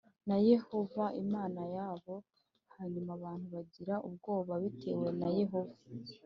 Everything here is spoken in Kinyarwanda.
na Yehova Imana yabo Hanyuma abantu bagira ubwoba bitewe na Yehova